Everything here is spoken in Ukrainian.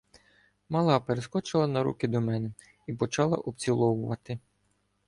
Мала перескочила на руки до мене і почала обціловувати.